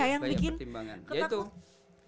apa ya yang bikin ketakutan